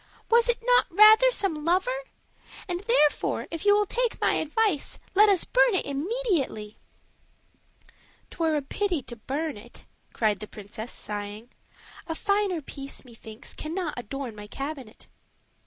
"Was it not rather some lover? And therefore, if you will take my advice, let us burn it immediately." "'Twere a pity to burn it," cried the princess, sighing; "a finer piece, methinks, cannot adorn my cabinet."